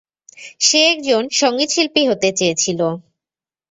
সে একজন সঙ্গীতশিল্পী হতে চেয়েছিল।